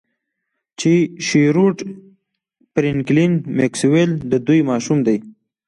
چې شیروډ فرینکلین میکسویل د دوی ماشوم دی